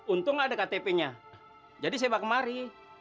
untung ada ktp nya jadi saya bakal kemari